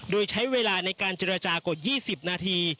โดยใช้เวลาในการเจรจากว่า๒๐นาที